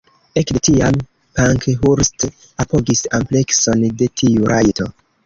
Ekde tiam, Pankhurst apogis amplekson de tiu rajto.